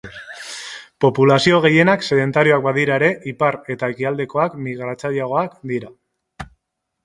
Populazio gehienak sedentarioak badira ere, ipar eta ekialdekoak migratzaileagoak dira.